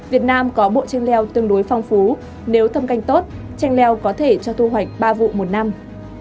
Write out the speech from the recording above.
việt nam có bộ tranh leo tương đối phong phú nếu thâm canh tốt chanh leo có thể cho thu hoạch ba vụ một năm